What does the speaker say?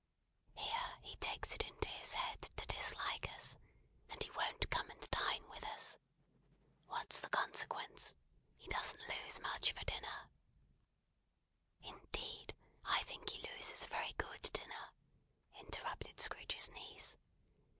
Here, he takes it into his head to dislike us, and he won't come and dine with us. What's the consequence? He don't lose much of a dinner." "Indeed, I think he loses a very good dinner," interrupted Scrooge's niece.